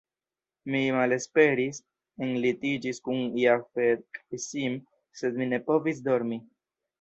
Mi malesperis, enlitiĝis kun Jafet kaj Sim, sed mi ne povis dormi.